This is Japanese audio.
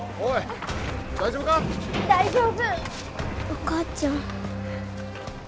お母ちゃん。